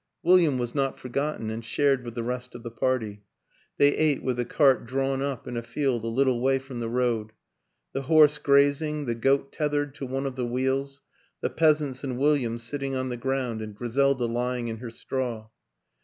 Wil liam was not forgotten, and shared with the rest of the party; they ate with the cart drawn up in a field a little way from the road; the horse graz ing, the goat tethered to one of the wheels, the peasants and William sitting on the ground and Griselda lying in her straw.